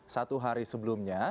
satu hari sebelumnya